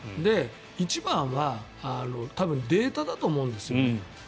一番は多分データだと思うんですよね。